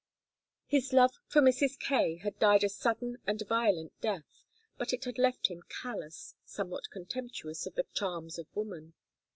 His love for Mrs. Kaye had died a sudden and violent death, but it had left him callous, somewhat contemptuous of the charms of woman.